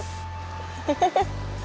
nggak ada apa apa